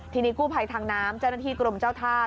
ทีนี้กู้ภัยทางน้ำเจ้าหน้าที่กรมเจ้าท่า